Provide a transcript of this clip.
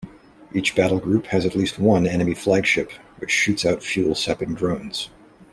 Each battlegroup has at least one enemy flagship, which shoots out fuel-sapping drones.